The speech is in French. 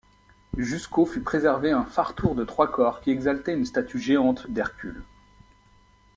Jusqu'au fut préservé un phare-tour de trois corps qui exaltait une statue géante d'Hercule.